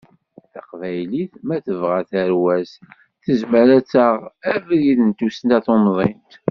Taqbaylit, ma tebɣa tarwa-s, tezmer ad taɣ abrid n tussna tumḍint.